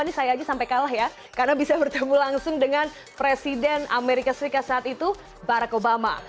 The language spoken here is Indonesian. ini saya aja sampai kalah ya karena bisa bertemu langsung dengan presiden amerika serikat saat itu barack obama